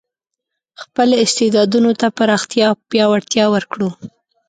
خپل استعدادونو ته پراختیا او پیاوړتیا ورکړو.